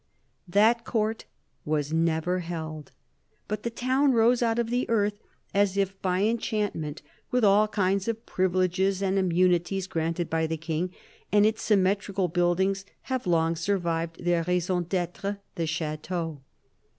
That Court was never held, but the town rose out of the earth, " as if by enchantment," with all kinds of privileges and immunities granted by the King, and its symmetrical buildings have long survived their raison cPetre, the chateau.